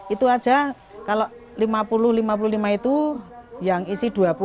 itu aja kalau lima puluh lima puluh lima itu yang isi dua puluh